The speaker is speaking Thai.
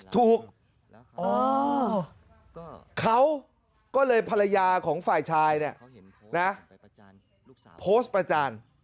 ถูกเขาก็เลยภรรยาของฝ่ายชายนะ